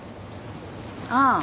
ああ。